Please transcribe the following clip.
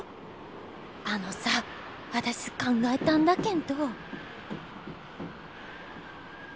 あのさ私考えたんだけんど。